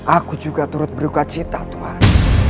aku juga turut berduka cita tuhan